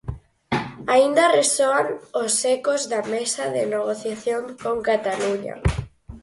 Aínda resoan os ecos da mesa de negociación con Cataluña.